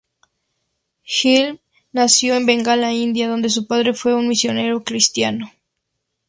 Gmelin nació en Bengala, India, donde su padre fue un misionero cristiano.